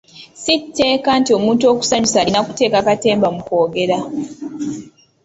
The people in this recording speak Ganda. Si tteeka nti omuntu okusanyusa alina kussa katemba mu kwogera.